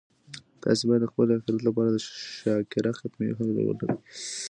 تاسي باید د خپل اخیرت لپاره د شاکره خاتمې هیله ولرئ.